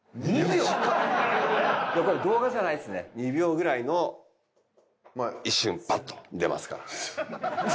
これ動画じゃないですね２秒ぐらいの一瞬ぱっと出ますから。